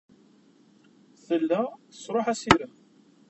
Tella tesṛuḥ assirem.